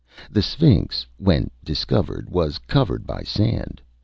The Sphinx, when discovered, was covered by sand.